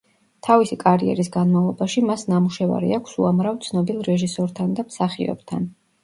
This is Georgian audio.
თავისი კარიერის განმავლობაში მას ნამუშევარი აქვს უამრავ ცნობილ რეჟისორთან და მსახიობთან.